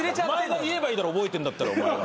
お前が言えばいいだろ覚えてんだったら。